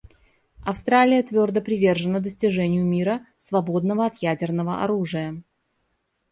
Австралия твердо привержена достижению мира, свободного от ядерного оружия.